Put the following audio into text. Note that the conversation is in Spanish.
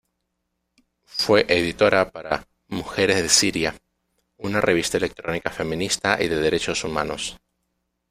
Fue editora para "Mujeres de Siria", una revista electrónica feminista y de derechos humanos.